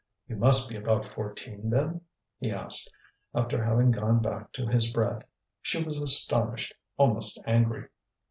"You must be about fourteen then?" he asked, after having gone back to his bread. She was astonished, almost angry.